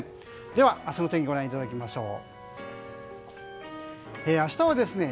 では、明日の天気をご覧いただきましょう。